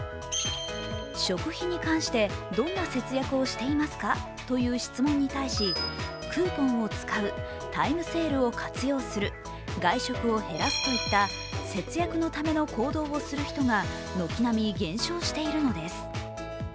食費に関してどんな節約をしていますか？という質問に対しクーポンを使う、タイムセールを活用する、外食を減らすといった、節約のための行動をする人が軒並み減少しているのです。